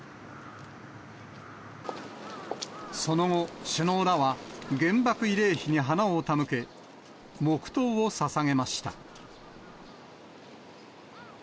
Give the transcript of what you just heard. その後、首脳らは原爆慰霊碑に花を手向け、黙とうをささげました。